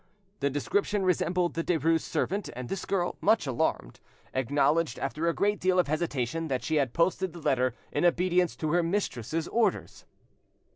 The description resembled the Derues' servant; and this girl, much alarmed, acknowledged, after a great deal of hesitation, that she had posted the letter in obedience to her mistress's orders.